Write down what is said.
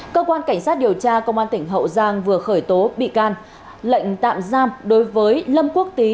cơ quan cảnh sát điều tra công an tỉnh hậu giang vừa khởi tố bị can lệnh tạm giam đối với lâm quốc tí